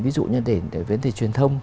ví dụ như về vấn đề truyền thông